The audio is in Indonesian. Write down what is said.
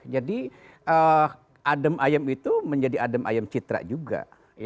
jadi adem ayem itu menjadi adem ayem citra juga